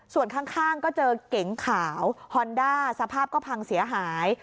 ส่วนข้างก็เจอเก๋งขาวฮอนด้าสภาพก็พังเสียหาย